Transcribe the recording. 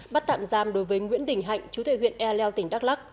bắt tạm giam đối với nguyễn đình hạnh chú thầy huyện e leo tỉnh đắk lắc